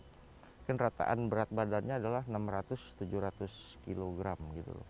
mungkin rataan berat badannya adalah enam ratus tujuh ratus kilogram gitu loh